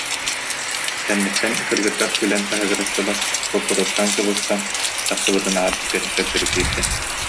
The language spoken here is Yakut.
Кэнниттэн кыргыттар күлэн саһыгырастылар, куоппутуттан кыбыстан, тахсыбытынааҕар түргэнник төттөрү киирдэ